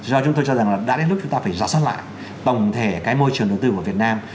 do chúng tôi cho rằng là đã đến lúc chúng ta phải giả soát lại tổng thể cái môi trường đầu tư của việt nam